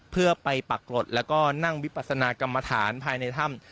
เพื่อไปปรากฏแล้วก็นั่งวิปัสนากรรมฐานภายในถ้ำ